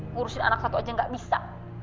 ngurusin anak satu aja gak bisa